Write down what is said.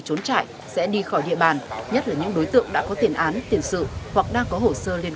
trốn trại sẽ đi khỏi địa bàn nhất là những đối tượng đã có tiền án tiền sự hoặc đang có hồ sơ liên